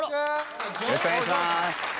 よろしくお願いします！